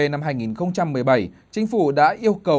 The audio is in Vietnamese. năm hai nghìn một mươi bảy chính phủ đã yêu cầu